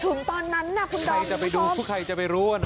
ถึงตอนนั้นน่ะคุณดอมคุณผู้ชมใครจะไปดูใครจะไปรู้อ่ะเนอะ